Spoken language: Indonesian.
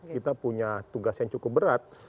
kita punya tugas yang cukup berat